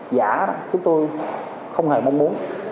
giả chúng tôi không hề mong muốn